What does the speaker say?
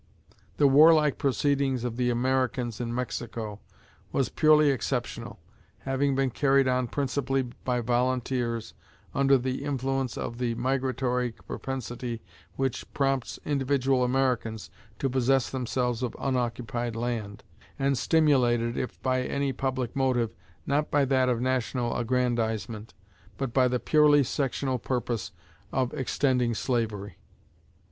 The warlike proceedings of the Americans in Mexico was purely exceptional, having been carried on principally by volunteers, under the influence of the migratory propensity which prompts individual Americans to possess themselves of unoccupied land, and stimulated, if by any public motive, not by that of national aggrandizement, but by the purely sectional purpose of extending slavery.